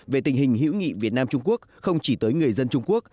về tình hình hữu nghị việt nam trung quốc không chỉ tới người dân trung quốc